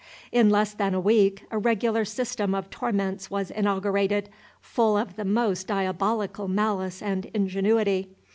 In less than a week a regular system of torments was inaugurated, full of the most diabolical malice and ingenuity.